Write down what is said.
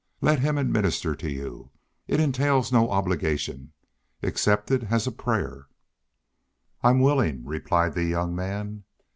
Let him administer to you. It entails no obligation. Accept it as a prayer." "I'm willing," replied the young man.